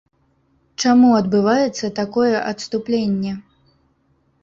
Чаму адбываецца такое адступленне?